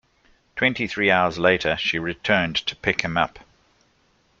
Twenty-three hours later, she returned to pick him up.